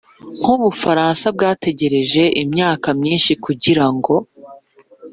nk'u bufaransa bwategereje imyaka myinshi kugira ngo